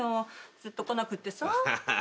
ずっと来なくてさ。